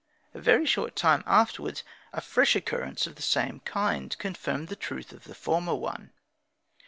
A very short time afterwards a fresh occurrence of the same kind confirmed the truth of the former one.